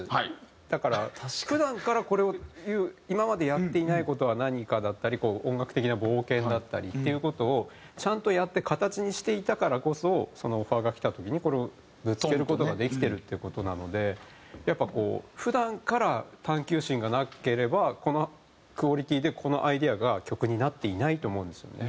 だから普段からこれを今までやっていない事は何かだったり音楽的な冒険だったりっていう事をちゃんとやって形にしていたからこそそのオファーがきた時にこれをぶつける事ができてるっていう事なのでやっぱこう普段から探求心がなければこのクオリティーでこのアイデアが曲になっていないと思うんですよね。